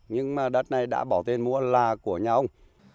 nhưng mà đất này đã bỏ tên mua là của nhà ông